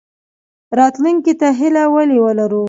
راتلونکي ته هیله ولې ولرو؟